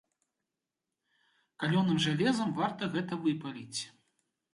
Калёным жалезам варта гэта выпаліць.